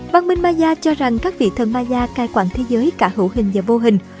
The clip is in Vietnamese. văn minh maya cho rằng các vị thần maya cai quản thế giới cả hữu hình và vô hình